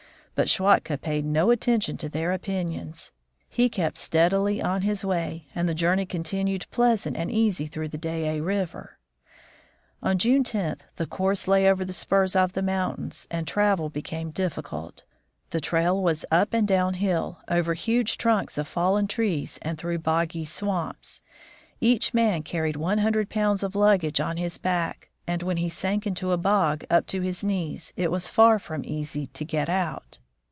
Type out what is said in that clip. But Schwatka paid no attention to their opinions. He kept steadily on his way, and the journey continued pleasant and easy through the Dayay river. On June 10, the course lay over the spurs of the moun tains, and travel became difficult. The trail was up and down hill, over huge trunks of fallen trees, and through boggy swamps. Each man carried one hundred pounds of luggage on his back, and when he sank into a bog up to his knees, it was far from easy to get out.